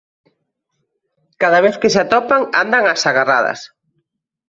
Cada vez que se atopan andan ás agarradas